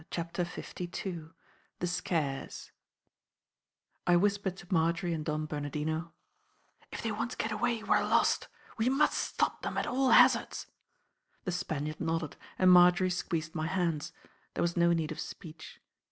CHAPTER LII THE SKARES I whispered to Marjory and Don Bernardino: "If they once get away we are lost! We must stop them at all hazards!" The Spaniard nodded and Marjory squeezed my hands; there was no need of speech.